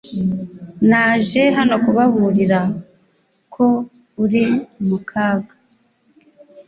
Naje hano kubaburira ko uri mu kaga.